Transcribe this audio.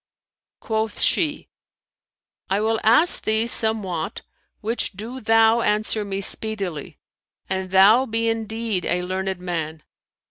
Quoth she, "I will ask thee somewhat, which do thou answer me speedily, an thou be indeed a learned man."